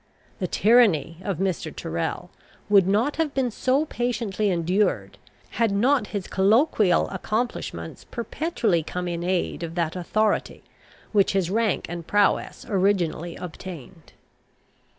The tyranny of Mr. Tyrrel would not have been so patiently endured, had not his colloquial accomplishments perpetually come in aid of that authority which his rank and prowess originally obtained.